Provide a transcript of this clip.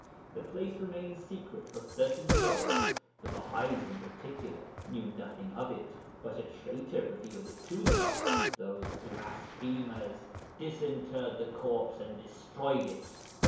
The place remained secret for thirty years. The Baha'is in particular knew nothing of it, but a traitor revealed it to them. Those blasphemers disinterred the corpse and destroyed it.